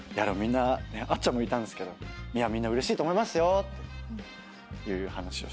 あっちゃんもいたんすけどみんなうれしいと思いますよっていう話をしてて。